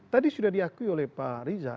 tadi sudah diakui oleh pak riza